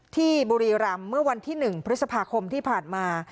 บุรีรำเมื่อวันที่๑พฤษภาคมที่ผ่านมา